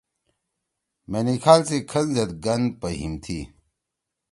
مینکھال سی کھن زید گن پہیِم تھی۔